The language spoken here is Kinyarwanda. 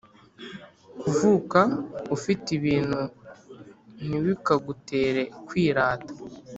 kuvuka ufite ibintu ntibikagutere kwirata